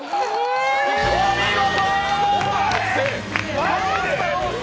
お見事！